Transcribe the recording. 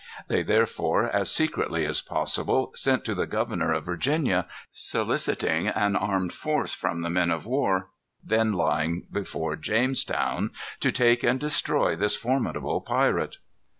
They, therefore, as secretly as possible, sent to the governor of Virginia, soliciting an armed force from the men of war then lying before Jamestown, to take and destroy this formidable pirate.